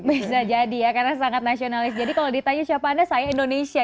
bisa jadi ya karena sangat nasionalis jadi kalau ditanya siapa anda saya indonesia